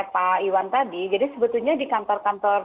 pak iwan tadi jadi sebetulnya di kantor kantor